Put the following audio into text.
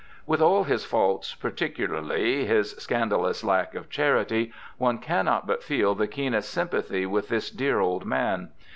With all his faults, particularly his scan dalous lack of charity, one cannot but feel the keenest sympathy with this dear old man.